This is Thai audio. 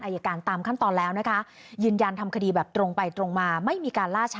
ให้ข่าวมาไม่เคยไม่มี